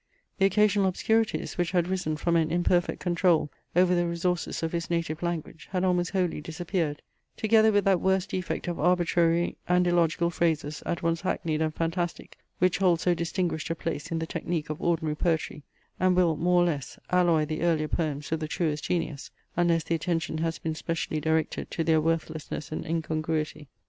The occasional obscurities, which had risen from an imperfect control over the resources of his native language, had almost wholly disappeared, together with that worse defect of arbitrary and illogical phrases, at once hackneyed and fantastic, which hold so distinguished a place in the technique of ordinary poetry, and will, more or less, alloy the earlier poems of the truest genius, unless the attention has been specially directed to their worthlessness and incongruity .